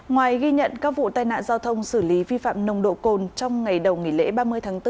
ngoài ghi nhận các vụ tai nạn giao thông xử lý vi phạm nồng độ cồn trong ngày đầu nghỉ lễ ba mươi tháng bốn